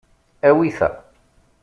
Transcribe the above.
Awi ta.